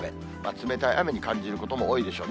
冷たい雨に感じることも多いでしょう。